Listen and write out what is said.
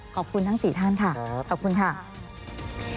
ขอบคุณทั้งสี่ท่านค่ะขอบคุณค่ะขอบคุณค่ะขอบคุณค่ะ